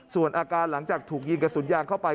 ส่วนอาการหลังจากถูกยิงกระสุนยางเข้าไป